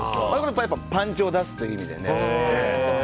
パンチを出すという意味で。